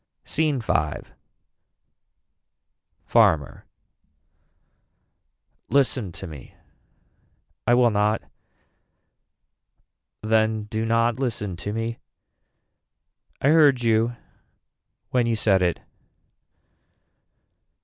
SCENE V. Farmer. Listen to me. I will not. Then do not listen to me. I heard you when you said it.